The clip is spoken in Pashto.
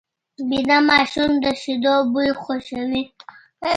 ویده ماشوم د شیدو بوی خوښوي